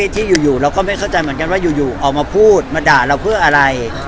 ที่อยู่เราก็ไม่เข้าใจเหมือนกันว่าอยู่ออกมาพูดมาด่าเราเพื่ออะไร